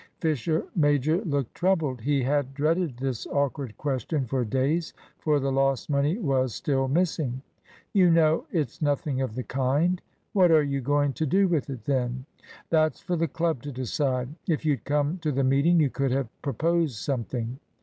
Fisher major looked troubled. He had dreaded this awkward question for days. For the lost money was still missing. "You know it's nothing of the kind." "What are you going to do with it, then?" "That's for the club to decide. If you'd come to the meeting you could have proposed something."